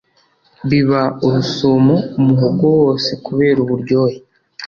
Biba urusumo umuhogo wose kubera uburyohe